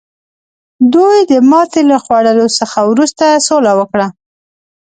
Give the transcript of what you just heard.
دوی د ماتې له خوړلو څخه وروسته سوله وکړه.